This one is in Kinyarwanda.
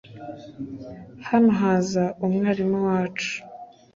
Hano haza umwarimu wacu .